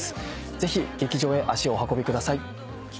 ぜひ劇場へ足をお運びください。